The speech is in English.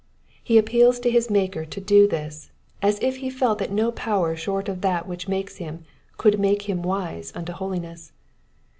He apfjeals to his Maker to do this, as if he felt that nopower short of that which made him could make him wise unto holiness.